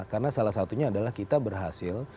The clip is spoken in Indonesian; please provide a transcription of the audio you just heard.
karena salah satunya adalah kita berhasil